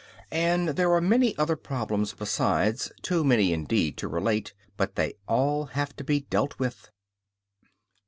And there are many other problems besides, too many indeed to relate, but they have all to be dealt with.